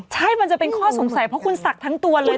ใช่มันจะเป็นข้อสงสัยเพราะคุณศักดิ์ทั้งตัวเลย